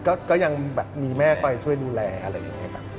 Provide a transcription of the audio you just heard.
ก็ยังแบบมีแม่คอยช่วยดูแลอะไรอย่างนี้ครับ